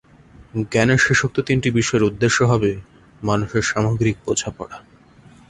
জ্ঞানের শেষোক্ত তিনটি বিষয়ের উদ্দেশ্য হবে মানুষের সামগ্রিক বোঝাপড়া।